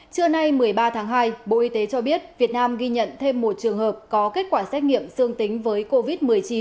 trưa nay một mươi ba tháng hai bộ y tế cho biết việt nam ghi nhận thêm một trường hợp có kết quả xét nghiệm dương tính với covid một mươi chín